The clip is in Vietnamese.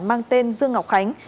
mang tên dương ngọc khánh